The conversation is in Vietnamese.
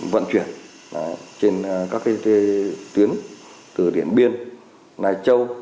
vận chuyển trên các cây tuyến từ điển biên nài châu